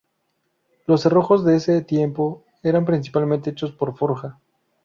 Los cerrojos de ese tiempo eran principalmente hechos por forja.